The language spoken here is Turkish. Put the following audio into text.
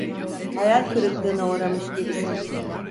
Hayal kırıklığına uğramış gibisin.